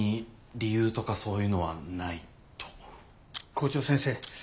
校長先生。